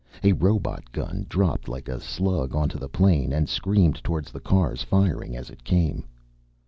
A robot gun dropped like a slug onto the plain and screamed toward the cars, firing as it came.